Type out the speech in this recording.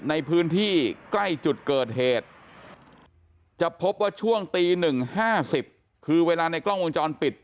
ในพื้นที่ใกล้จุดเกิดเหตุจะพบว่าช่วงตี๑๕๐คือเวลาในกล้องวงจรปิด